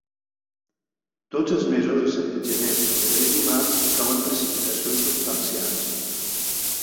Tots els mesos, excepte gener, febrer i març, cauen precipitacions substancials.